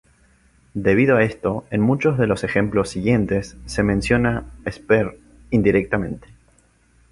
Debido a esto en muchos de los ejemplos siguientes se menciona "esper" indirectamente.